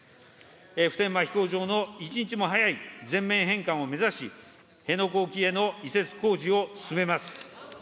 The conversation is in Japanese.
普天間飛行場の一日も早い全面返還を目指し、辺野古沖への移設工事を進めます。